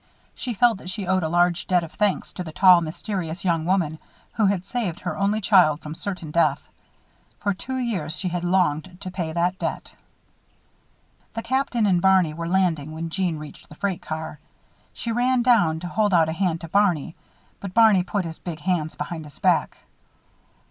She felt that she owed a large debt of thanks to the tall, mysterious young woman who had saved her only child from certain death. For two years, she had longed to pay that debt. The Captain and Barney were landing when Jeanne reached the freight car. She ran down to hold out a hand to Barney. But Barney put his big hands behind his back.